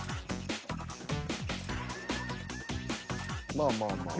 ［まあまあまあ］